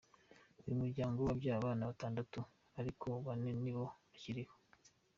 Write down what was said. Uyu muryango wabyaye abana batandatu ariko bane ntibo bakiriho.